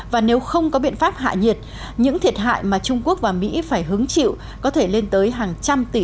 và nếu không có biện pháp hạ nhiệt những thiệt hại mà trung quốc và mỹ phải hứng chịu có thể lên tới hàng trăm tỷ đồng